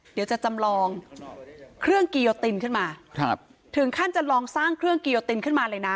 เดี๋ยวจะจำลองเครื่องกิโยตินขึ้นมาครับถึงขั้นจะลองสร้างเครื่องกิโยตินขึ้นมาเลยนะ